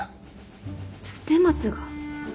捨松が？